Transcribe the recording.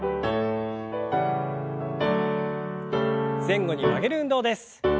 前後に曲げる運動です。